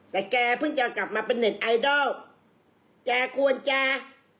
ละแกเพิ่งจะกลับมาเป็นไอดอลแกควรจ๋า